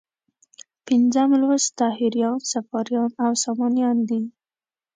پنځم لوست طاهریان، صفاریان او سامانیان دي.